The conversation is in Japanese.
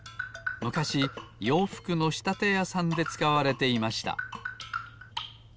むかしようふくのしたてやさんでつかわれていました。